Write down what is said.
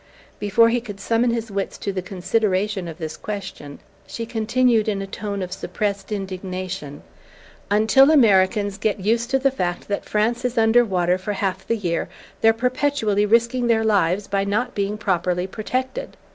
Before he could summon his wits to the consideration of this question she continued in a tone of suppressed indignation: "Until Americans get used to the fact that France is under water for half the year they're perpetually risking their lives by not being properly protected.